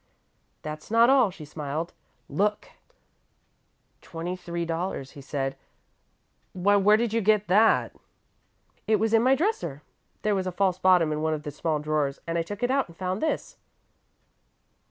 "That's not all," she smiled. "Look!" "Twenty three dollars," he said. "Why, where did you get that?" "It was in my dresser. There was a false bottom in one of the small drawers, and I took it out and found this."